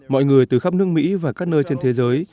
mọi người từ khắp nước mỹ và các nơi trên thế giới